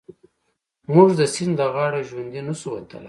موږ د سيند له غاړو ژوندي نه شو وتلای.